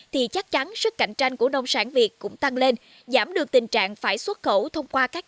thì chắc chắn sức cạnh tranh của nông sản việt cũng tăng lên giảm được tình trạng phải xuất khẩu thông qua các